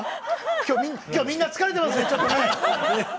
今日みんな疲れてますね！